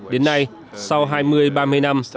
đến nay sau hai mươi ba mươi năm